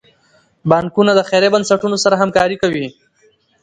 بانکونه د خیریه بنسټونو سره همکاري کوي.